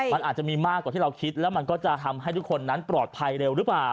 มันอาจจะมีมากกว่าที่เราคิดแล้วมันก็จะทำให้ทุกคนนั้นปลอดภัยเร็วหรือเปล่า